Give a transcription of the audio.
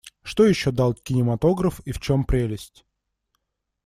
Что еще дал кинематограф и в чем прелесть?